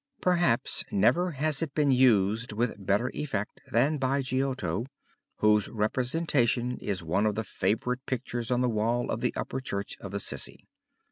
Perhaps never has it been used with better effect than by Giotto, whose representation is one of the favorite pictures on the wall of the upper church of Assisi.